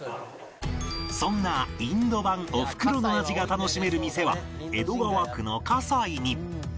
そんなインド版おふくろの味が楽しめる店は江戸川区の西に